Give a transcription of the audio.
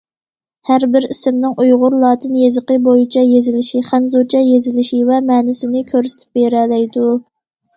ھەر بىر ئىسىمنىڭ ئۇيغۇر لاتىن يېزىقى بويىچە يېزىلىشى، خەنزۇچە يېزىلىشى ۋە مەنىسىنى كۆرسىتىپ بېرەلەيدۇ.